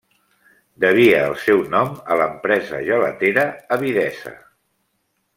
Devia el seu nom a l'empresa gelatera Avidesa.